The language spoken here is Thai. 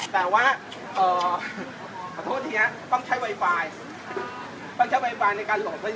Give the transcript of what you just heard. แต่ว่าเอ่อขอโทษทีนะต้องใช้ไวไฟต้องใช้ไวไฟในการโหลดด้วยนะ